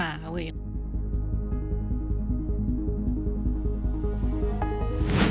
แล้วเราก็ขึ้นมากับเขาเอง